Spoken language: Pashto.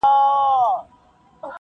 خو زه مړ یم د ژوندیو برخه خورمه -